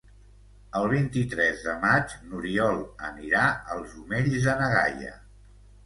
El vint-i-tres de maig n'Oriol anirà als Omells de na Gaia.